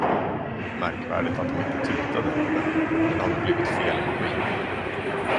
Märkvärdigt att dom inte tutar därute, men det har väl blivit fel i maskin!